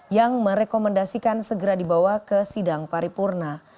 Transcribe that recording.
yang merekomendasikan segera dibawa ke sidang paripurna